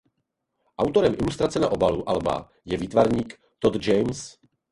Autorem ilustrace na obalu alba je výtvarník Todd James.